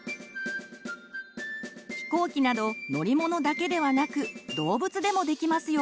ひこうきなど乗り物だけではなく動物でもできますよ！